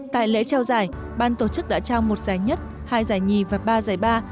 tại lễ trao giải ban tổ chức đã trao một giải nhất hai giải nhì và ba giải ba